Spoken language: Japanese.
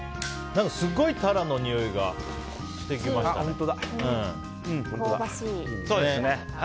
何か、すごいタラのにおいがしてきましたね。